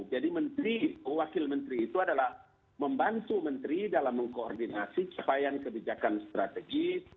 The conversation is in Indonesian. jadi menteri wakil menteri itu adalah membantu menteri dalam mengkoordinasi keupayaan kebijakan strategi